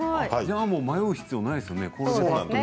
迷う必要ないですね。